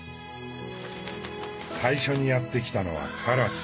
最初にやって来たのはカラス。